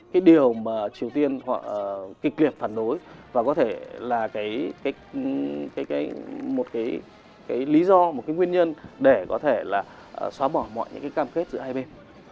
cái điều mà triều tiên họ kịch liệt phản đối và có thể là một cái lý do một cái nguyên nhân để có thể là xóa bỏ mọi những cái cam kết giữa hai bên